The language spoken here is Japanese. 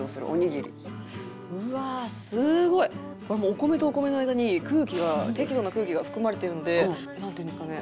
お米とお米の間に適度な空気が含まれているのでなんていうんですかね